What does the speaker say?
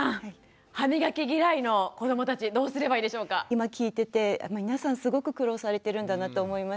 今聞いてて皆さんすごく苦労されてるんだなと思いました。